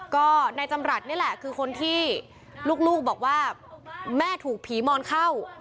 ก็นายจำรัฐนี่แหละคือคนที่ลูกบอกว่าแม่ถูกผีมอนเข้า